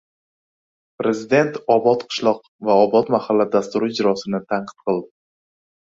Prezident «Obod qishloq» va «Obod mahalla» dasturi ijrosini tanqid qildi